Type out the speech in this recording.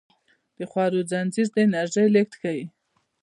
د خوړو زنځیر د انرژۍ لیږد ښيي